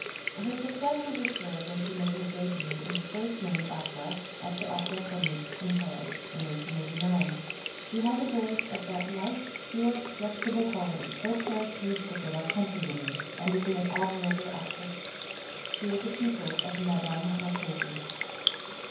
Her success was assured when she made her début in the first named opera at the Opera Comique, in Paris, in 1889. She has a voice of that light, pure, flexible quality so characteristic of our countrywomen, and is an admirable actress. She is a pupil of Madame Marchesi.